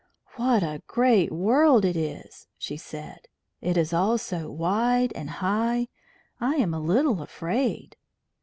"What a great world it is!" she said. "It is all so wide and high. I am a little afraid."